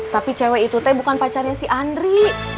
tapi cewek itu teh bukan pacarnya si andri